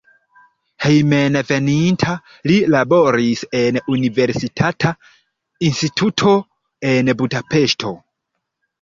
Hejmenveninta li laboris en universitata instituto en Budapeŝto.